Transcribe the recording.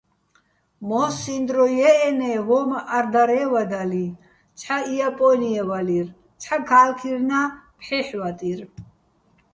მო́სსიჼ დრო ჲე́ჸენე́, ვო́მაჸ არ-დარე́ვადალიჼ: ცჰ̦ა იაპონიე ვალირ, ცჰ̦ა ქალქირნა ფჰ̦ეჰ̦ ვატირ.